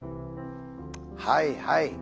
はいはい。